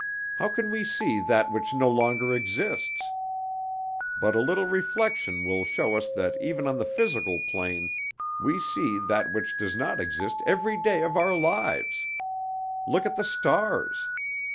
How can we see that which no longer exists? But a little reflection will show us that even on the physical plane we see that which does not exist every day of our lives. Look at the stars.